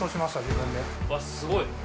すごい。